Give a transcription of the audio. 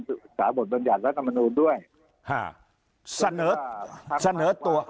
สถาบกรรยัตรรัฐมนุษย์ด้วยฮ่าเสริร์สเสริร์สตัว